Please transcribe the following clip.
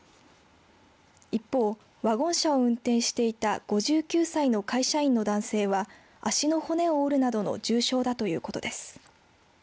一方ワゴン車を運転していた５９歳の会社員の男性は足の骨を折るなどの重傷だということです。